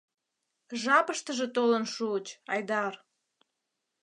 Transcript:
Жапыштыже толын шуыч, Айдар.